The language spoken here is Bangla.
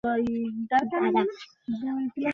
কোম্পানিটি টিভিতে এবং সংবাদপত্রে বিজ্ঞাপনের জন্য পরিচিত।